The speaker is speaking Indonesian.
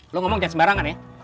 lo ngomong jangan sembarangan ya